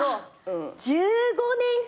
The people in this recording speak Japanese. １５年か！